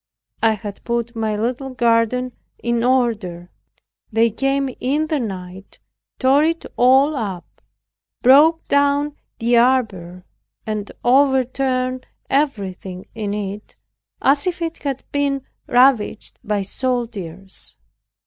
I had put my little garden in order. They came in the night, tore it all up, broke down the arbor, and overturned everything in it, as if it had been ravaged by soldiers.